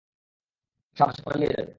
শামা, সে পালিয়ে যাবে।